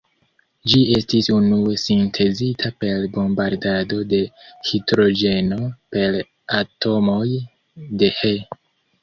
Ĝi estis unue sintezita per bombardado de hidrogeno per atomoj de He.